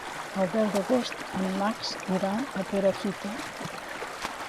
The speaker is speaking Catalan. El deu d'agost en Max irà a Perafita.